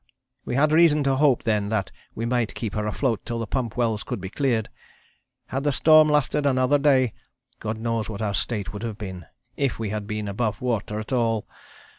We had reason to hope then that we might keep her afloat till the pump wells could be cleared. Had the storm lasted another day, God knows what our state would have been, if we had been above water at all.